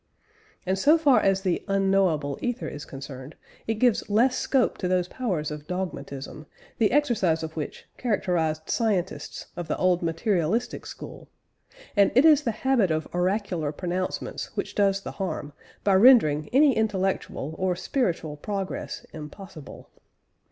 " And so far as the "unknowable" ether is concerned, it gives less scope to those powers of dogmatism, the exercise of which characterised scientists of the old materialistic school; and it is the habit of oracular pronouncements which does the harm, by rendering any intellectual or spiritual progress impossible.